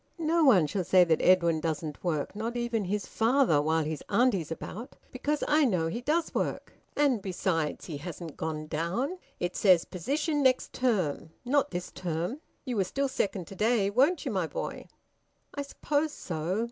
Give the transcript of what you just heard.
"No one shall say that Edwin doesn't work, not even his father, while his auntie's about! Because I know he does work! And besides, he hasn't gone down. It says, `position next term' not this term. You were still second to day, weren't you, my boy?" "I suppose so.